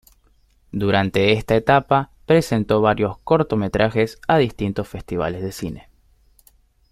Durante esta etapa, presentó varios cortometrajes a distintos festivales de cine.